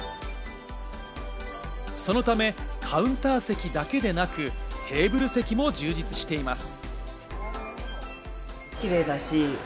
そのため、カウンター席だけでなく、テーブル席も充実しています。